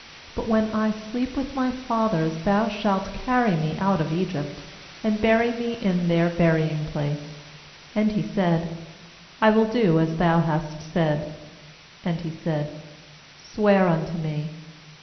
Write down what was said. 30But when I sleep with my fathers, thou shalt carry me out of Egypt, and bury me in their burymg place.' And he said: 'I will do as thou hast said.' 31And he said: 'Swear unto me.'